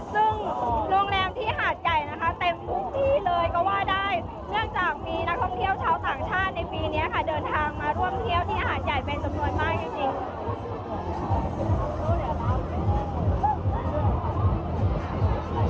ซึ่งโรงแรมที่หาดใหญ่นะคะเต็มทุกที่เลยก็ว่าได้เนื่องจากมีนักท่องเที่ยวชาวต่างชาติในปีนี้ค่ะเดินทางมาร่วมเที่ยวที่หาดใหญ่เป็นจำนวนมากจริง